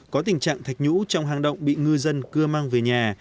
có tình trạng thạch nhũ trong hang động bị ngư dân cưa mang về nhà